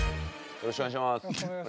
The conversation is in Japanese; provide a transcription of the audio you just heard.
よろしくお願いします。